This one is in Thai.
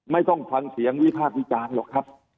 ไม่ต้องฟังเสียงวิพากษ์วิจารณ์หรอกครับ